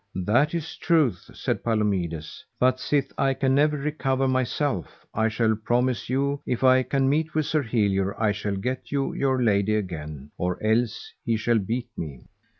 That is truth, said Palomides, but sith I can never recover myself I shall promise you if I can meet with Sir Helior I shall get you your lady again, or else he shall beat me.